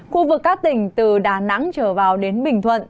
khu vực các tỉnh từ đà nẵng trở vào đến bình thuận